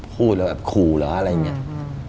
พูดแล้วแบบคูละอะไรอย่างนี้